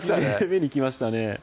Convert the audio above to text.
目にきましたね